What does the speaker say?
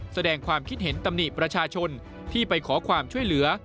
แสดงความคิดเห็นตำหนิประชาชนที่ไปขอความช่วยเหลือ